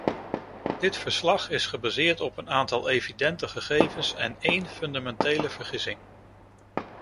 Dit verslag is gebaseerd op een aantal evidente gegevens en één fundamentele vergissing.